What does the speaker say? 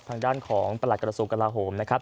ทางด้านของประหลักกระสูรกระลาฮมนะครับ